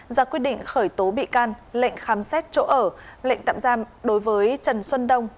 ra quyết định khởi tố bị can lệnh khám xét chỗ ở lệnh tạm giam đối với trần xuân đông